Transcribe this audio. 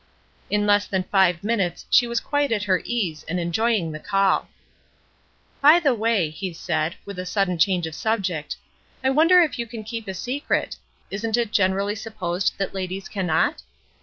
In less than five minutes she was quite at her ease and enjoying the call. 416 '^ SOMETHING PORTENTOUS" 417 "By the way/' he said, with a sudden change of subject, "I wonder if you can keep a secret? Isn't it generally supposed that ladies cannot?"